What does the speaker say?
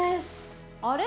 あれ？